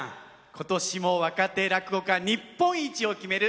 今年も若手落語家日本一を決める